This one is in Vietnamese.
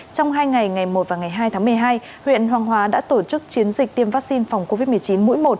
trong hai ngày ngày một và ngày hai tháng một mươi hai huyện hoàng hóa đã tổ chức chiến dịch tiêm vaccine phòng covid một mươi chín mũi một